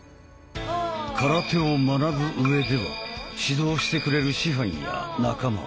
空手を学ぶ上では指導してくれる師範や仲間